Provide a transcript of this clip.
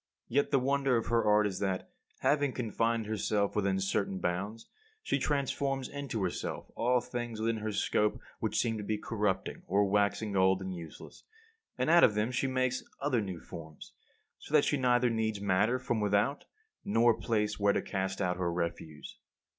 Yet the wonder of her art is that, having confined herself within certain bounds, she transforms into herself all things within her scope which seem to be corrupting, or waxing old and useless; and out of them she makes other new forms; so that she neither needs matter from without nor a place where to cast out her refuse.